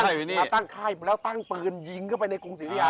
มาตั้งค่ายแล้วตั้งเปลืองยิงเข้าไปในกรุงศรีอยุธยา